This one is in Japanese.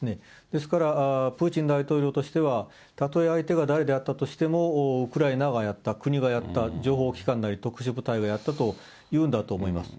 ですから、プーチン大統領としてはたとえ相手が誰だったとしてもウクライナがやった、国がやった、情報機関が、特殊部隊がやったと言うんだと思います。